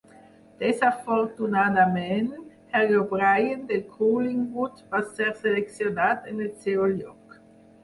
Desafortunadament, Harry O'Brien del Collingwood va ser seleccionat en el seu lloc.